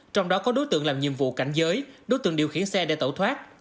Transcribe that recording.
trong đó có đối tượng làm nhiệm vụ cảnh giới đối tượng điều khiển xe để tẩu thoát